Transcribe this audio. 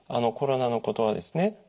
コロナのことはですね